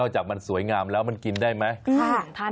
จากมันสวยงามแล้วมันกินได้ไหม